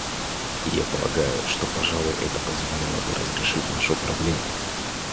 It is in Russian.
И я полагаю, что, пожалуй, это позволило бы разрешить нашу проблему.